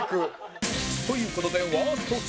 という事でワースト２